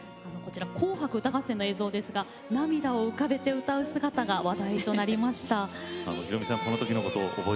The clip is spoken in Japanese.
「紅白歌合戦」の映像ですが涙を浮かべて歌う姿が話題になりました。